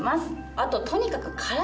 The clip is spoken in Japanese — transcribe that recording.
あととにかく。